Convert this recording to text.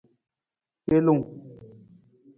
Celung.